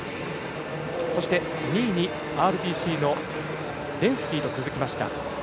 そして、２位にＲＰＣのレンスキーと続きました。